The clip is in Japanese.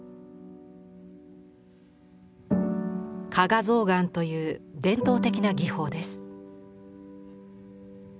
「加賀象嵌」という伝統的な技法です。